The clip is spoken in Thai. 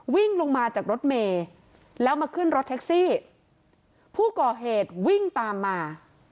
วิ่งลงมาจากรถเมย์แล้วมาขึ้นรถแท็กซี่ผู้ก่อเหตุวิ่งตามมา